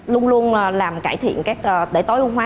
luôn luôn làm cải thiện để tối ưu hóa